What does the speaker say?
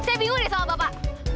saya bingung ya sama bapak